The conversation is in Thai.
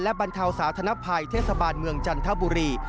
บรรเทาสาธนภัยเทศบาลเมืองจันทบุรี